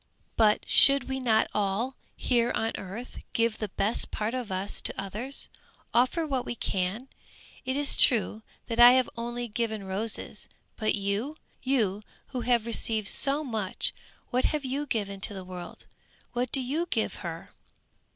"But should we not all, here on earth, give the best part of us to others? Offer what we can! It is true, that I have only given roses but you? You who have received so much, what have you given to the world? What do you give her?"